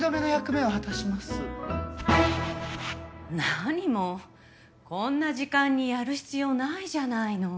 何もこんな時間にやる必要ないじゃないの。